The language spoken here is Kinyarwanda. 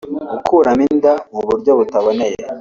gukuramo inda mu buryo butaboneye